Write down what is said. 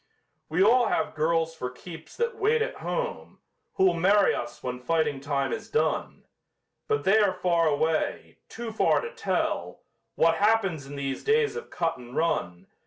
We all have girls for keeps that wait at home Who'll marry us when fighting time is done; But they are far away too far to tell What happens in these days of cut and run.